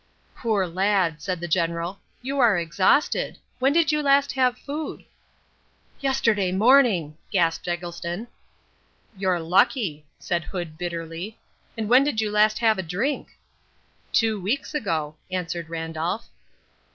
"Poor lad," said the General, "you are exhausted. When did you last have food?" "Yesterday morning," gasped Eggleston. "You're lucky," said Hood bitterly. "And when did you last have a drink?" "Two weeks ago," answered Randolph.